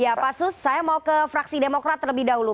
ya pak sus saya mau ke fraksi demokrat terlebih dahulu